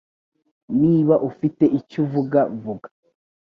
Niba ufite icyo uvuga, vuga